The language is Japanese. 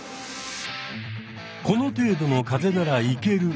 この程度の風ならいける！